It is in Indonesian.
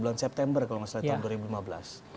bulan september kalau nggak salah tahun dua ribu lima belas